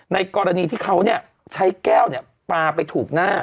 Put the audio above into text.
ในกรณีที่เขาเนี้ยใช้แก้วเนี้ยป่าไปถูกหน้า